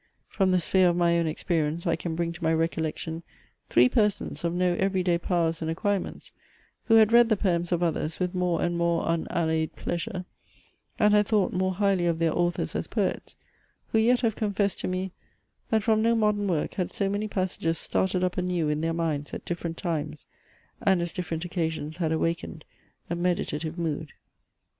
From the sphere of my own experience I can bring to my recollection three persons of no every day powers and acquirements, who had read the poems of others with more and more unallayed pleasure, and had thought more highly of their authors, as poets; who yet have confessed to me, that from no modern work had so many passages started up anew in their minds at different times, and as different occasions had awakened a meditative mood.